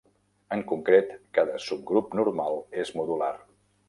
En concret, cada subgrup normal és modular.